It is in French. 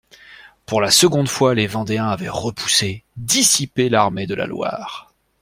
Pour la seconde fois, les Vendéens avaient repoussé, dissipé l'armée de la Loire.